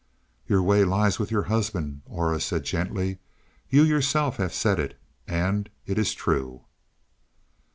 "Your way lies with your husband," Aura said gently. "You yourself have said it, and it is true."